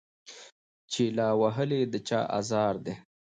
چي لا وهلی د چا آزار دی